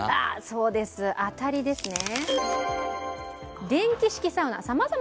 そうです、当たりですね。